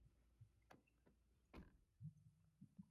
They also introduced cultivated rice and millet.